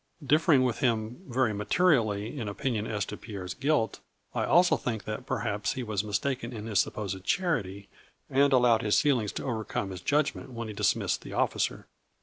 Differing with him very materially in opinion as to Pierre's guilt, I also think that perhaps he was mistaken in his supposed charity, and al lowed his feelings to overcome his judgment when he dismissed the officer."